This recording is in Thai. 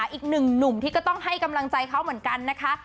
อีกหนึ่งหนุ่มที่ก็ต้องให้กำลังใจเขาเหมือนกันนะคะ